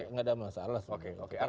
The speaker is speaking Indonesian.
artinya setelah dua nama ini diajukan